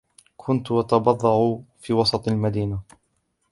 كنت أتبضع في وسط المدينة.